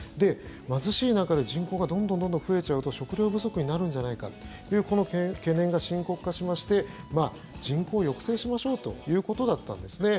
貧しい中で人口がどんどん増えちゃうと食糧不足になるんじゃないかという懸念が深刻化しまして人口を抑制しましょうということだったんですね。